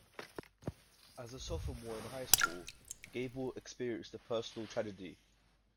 As a sophomore in high school, Gable experienced a personal tragedy.